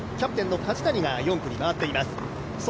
キャプテンの梶谷が４区に回っています。